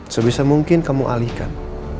sebisa mungkin kamu alihkan